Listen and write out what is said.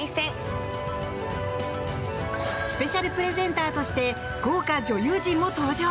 スペシャルプレゼンターとして豪華女優陣も登場。